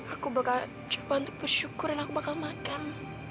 aku bakal coba untuk bersyukur dan aku bakal makan